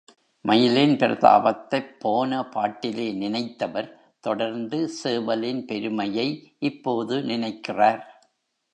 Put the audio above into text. மயிலின் பிரதாபத்தைப் போன பாட்டிலே நினைத்தவர், தொடர்ந்து சேவலின் பெருமையை இப்போது நினைக்கிறார்.